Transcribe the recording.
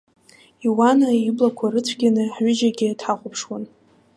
Иауана иблақәа рыцәгьаны ҳҩыџьагьы дҳахәаԥшуан.